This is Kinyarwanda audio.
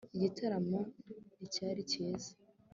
igitaramo nticyari cyiza